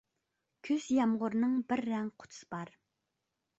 كۈز يامغۇرىنىڭ بىر رەڭ قۇتىسى بار.